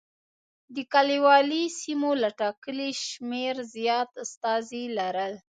کلیوالي سیمو له ټاکلي شمېر زیات استازي لرل.